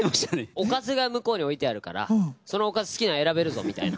おかずが向こうに置いてあるからそのおかず好きなの選べるぞみたいな。